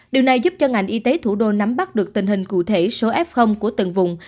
điều này giúp cho ngành y tế thủ đô nắm bắt được tình hình cụ thể số f của từng vùng